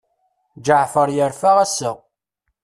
Ǧeɛfer yerfa ass-a.